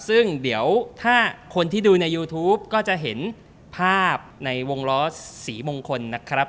ซึ่งเดี๋ยวถ้าคนที่ดูในยูทูปก็จะเห็นภาพในวงล้อสีมงคลนะครับ